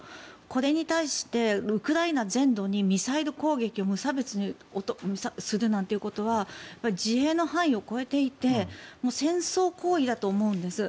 これに対して、ウクライナ全土にミサイル攻撃を無差別にするなんていうことは自衛の範囲を超えていて戦争行為だと思うんです。